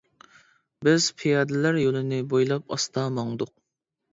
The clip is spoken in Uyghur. بىز پىيادىلەر يولىنى بويلاپ ئاستا ماڭدۇق.